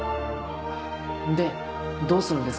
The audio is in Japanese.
でどうするんですか？